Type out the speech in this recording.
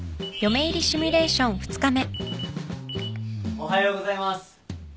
おはようございます。